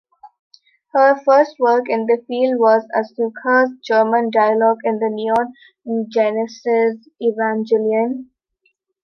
Her first work in the field was Asuka's German dialogue in "Neon Genesis Evangelion".